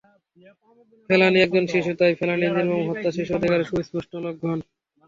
ফেলানী একজন শিশু, তাই ফেলানীর নির্মম হত্যা শিশু অধিকারের সুস্পষ্ট লঙ্ঘন।